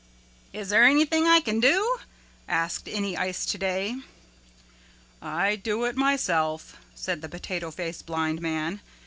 "Is there anything I can do?" asked Any Ice Today. "I do it myself," said the Potato Face Blind Man.